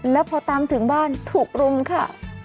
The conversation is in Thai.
แล้วพอตามถึงบ้านถูกรุมค่ะ